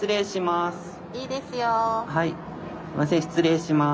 すいません失礼します。